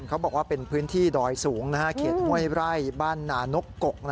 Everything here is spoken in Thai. เขาบอกว่าเป็นพื้นที่ดอยสูงเขตห้วยไร่บ้านนานกก